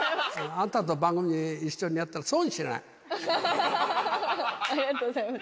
あなたと番組一緒にやったらありがとうございます。